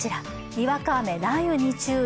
にわか雨、雷雨に注意。